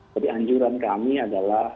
jadi anjuran kami adalah